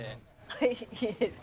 はいいいですか？